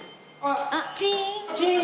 あっチーン！